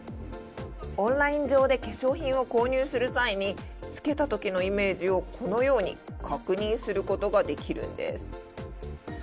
オンライン上で化粧品を購入する際につけた時のイメージを確認することができるんです。